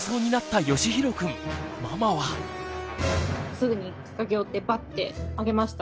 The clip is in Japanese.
すぐに駆け寄ってバッて上げました。